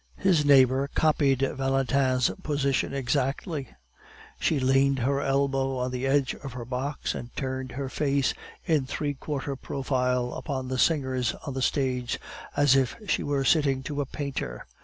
His neighbor copied Valentin's position exactly; she leaned her elbow on the edge of her box and turned her face in three quarter profile upon the singers on the stage, as if she were sitting to a painter.